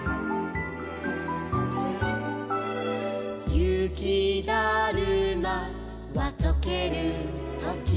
「ゆきだるまはとけるとき」